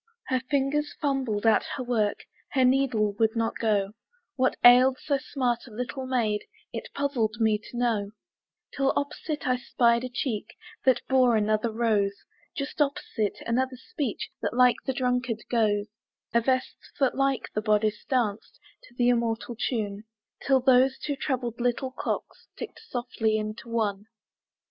Her fingers fumbled at her work, Her needle would not go; What ailed so smart a little maid It puzzled me to know, Till opposite I spied a cheek That bore another rose; Just opposite, another speech That like the drunkard goes; A vest that, like the bodice, danced To the immortal tune, Till those two troubled little clocks Ticked softly into one.